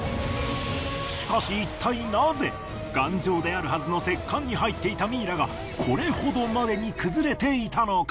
しかしいったいなぜ頑丈であるはずの石棺に入っていたミイラがこれほどまでに崩れていたのか？